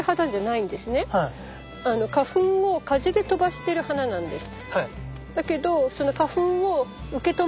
花粉を風で飛ばしてる花なんです。